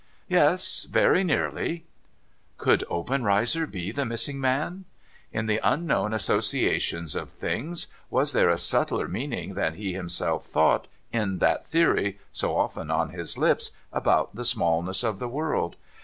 ' Yes. Very nearly.' Could Obenreizer be die missing man ? In the unknown associa tions of things, was there a subtler meaning than he himself thought, in that theory so often on his lips about the smallness of the world